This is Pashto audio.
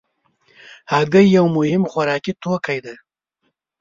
هګۍ یو مهم خوراکي توکی دی.